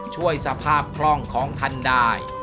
ช่วยสภาพคล่องของท่านได้